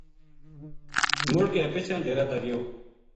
مُڑ کے پِچھاں ڈیرا تا گیو